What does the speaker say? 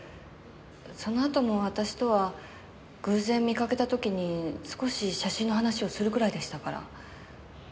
そのあとも私とは偶然見かけた時に少し写真の話をするぐらいでしたから。